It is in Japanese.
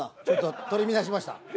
ちょっと取り乱しました。